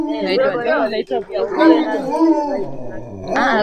Dawati la samawati